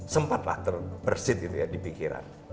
sempat lah terbersih gitu ya di pikiran